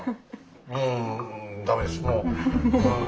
うん駄目ですもう。